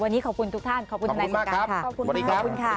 วันนี้ขอบคุณทุกท่านขอบคุณธนาฬิกาขอบคุณมากครับ